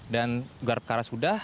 dan gelar perkara sudah